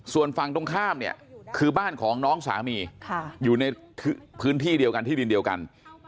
ส่วนฝั่งตรงข้ามเนี่ยคือบ้านของน้องสามีอยู่ในพื้นที่เดียวกันที่ดินเดียวกัน